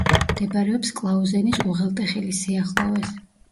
მდებარეობს კლაუზენის უღელტეხილის სიახლოვეს.